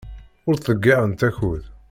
Ur ttḍeyyiɛent akud.